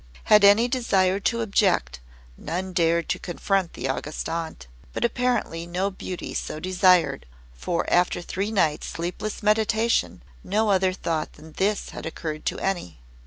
Had any desired to object, none dared to confront the August Aunt; but apparently no beauty so desired, for after three nights' sleepless meditation, no other thought than this had occurred to any.